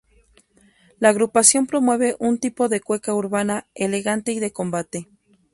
La agrupación promueve un tipo de cueca urbana elegante y de combate.